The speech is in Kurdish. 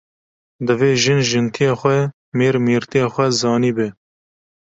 Divê jin jintiya xwe, mêr mêrtiya xwe zanî be